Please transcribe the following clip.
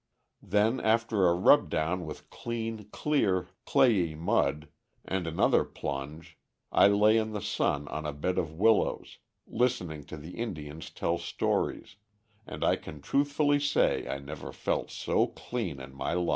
Then, after a rub down with clean, clear, clayey mud, and another plunge, I lay in the sun on a bed of willows, listening to the Indians tell stories, and I can truthfully say I never felt so clean in my life.